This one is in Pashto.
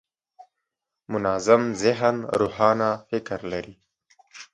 منظم ذهن روښانه فکر لري.